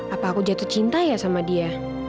apa aku jatuh cinta ya sama dia